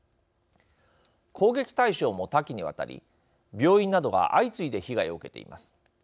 攻撃対象も多岐にわたり病院などが相次いで被害を受けています。